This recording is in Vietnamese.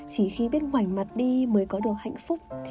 chỉ khi biết ngoảnh mặt đi mới có được hạnh phúc